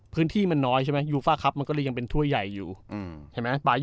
พื้นที่มันน้อยใช่ไหมมันก็เลยยังเป็นถ้วยใหญ่อยู่อืมเห็นไหมบาย